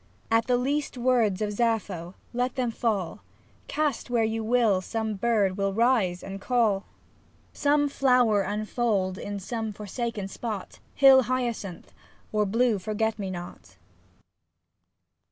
And the least words of Sappho — let them fall, Cast where you will, some bird will rise and call, 15 FOREWORD Some flower unfold in some for saken spot, Hill hyacinth, or blue forget me not.